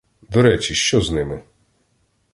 До речі, що з ними?